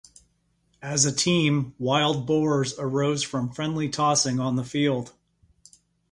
As a team, Wild Boars arose from friendly tossing on the field.